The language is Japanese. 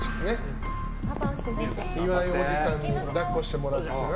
岩井おじさんにだっこしてもらおうな。